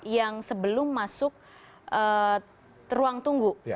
yang sebelum masuk ruang tunggu